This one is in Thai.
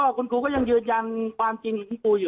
ก็คุณครูก็ยังยืดยังความจริงอยู่ครับ